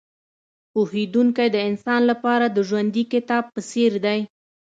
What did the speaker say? پوهېدونکی د انسان لپاره د ژوندي کتاب په څېر دی.